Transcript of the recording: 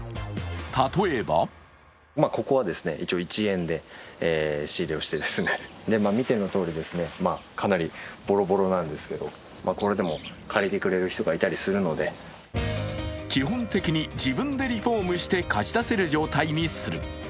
例えば基本的に自分でリフォームして貸し出せる状態にする。